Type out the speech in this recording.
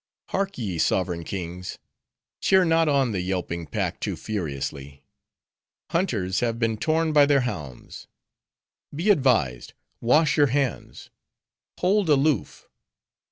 "Hark ye, sovereign kings! cheer not on the yelping pack too furiously: Hunters have been torn by their hounds. Be advised; wash your hands. Hold aloof.